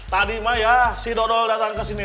tadi mah ya si dodol datang ke sini